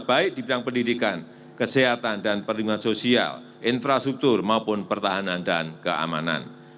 baik di bidang pendidikan kesehatan dan perlindungan sosial infrastruktur maupun pertahanan dan keamanan